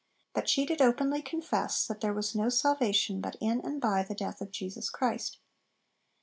But 'she did openly confess "that there was no salvation but in and by the death of Jesus Christ."'